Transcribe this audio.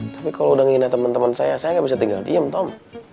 tapi kalau udah ngehina temen temen saya saya gak bisa tinggal diem tom